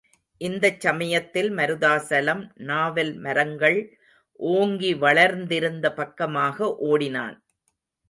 இந்தச் சமயத்தில் மருதாசலம் நாவல் மரங்கள் ஓங்கி வளர்ந்திருந்த பக்கமாக ஓடினான்.